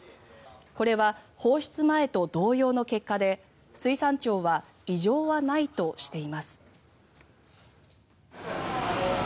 これは放出前と同様の結果で水産庁は異常はないとしています。